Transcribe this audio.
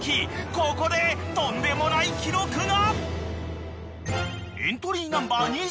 ここでとんでもない記録が］